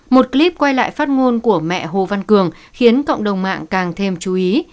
một clip quay lại phát ngôn của mẹ hồ văn cường khiến cộng đồng mạng càng thêm chú ý